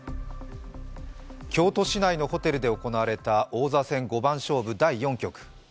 京都市内のホテルで行われた王座戦五番勝負第４局。